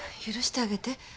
許してあげて。